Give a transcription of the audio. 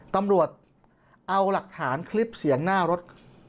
ตำรวจเอาหลักฐานคลิปเสียงหน้ารถ